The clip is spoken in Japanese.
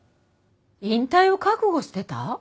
引退を覚悟してた？